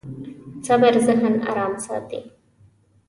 صبر ذهن ارام ساتي.